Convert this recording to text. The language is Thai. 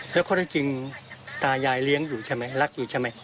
และคนที่จริงตายายรักอยู่ใช่ไหม